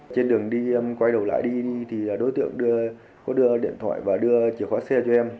trên đường đi em quay đầu lại đi thì đối tượng có đưa điện thoại và đưa chìa khóa xe cho em